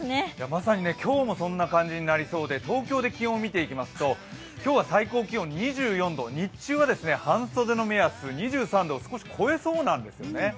まさに今日もそんな感じになりそうで東京で気温で見ていきますと、今日は最高気温２４度、日中は半袖の目安２３度を少し超えそうなんですよね。